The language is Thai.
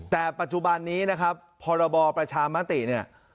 แต่ปัจจุบันนี้นะครับพรบประชามติเนี่ย